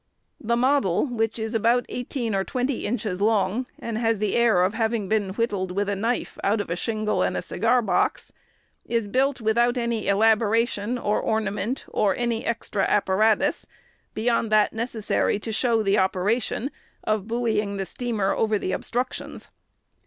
"The model, which is about eighteen or twenty inches long, and has the air of having been whittled with a knife out of a shingle and a cigar box, is built without any elaboration or ornament, or any extra apparatus beyond that necessary to show the operation of buoying the steamer over the obstructions.